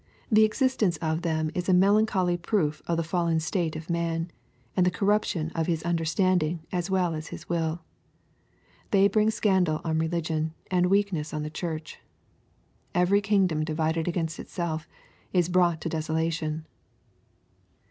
The existence of them is a melancholy proof of the fallen state of man, and the corruption of his under standing as well as his will. They bring scandal on re ligion, and weakness on the church. " Every.kingdom divided against itself is brought to desolation."